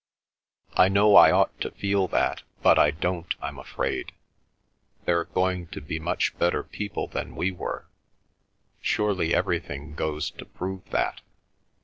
"I know I ought to feel that, but I don't, I'm afraid. They're going to be much better people than we were. Surely everything goes to prove that.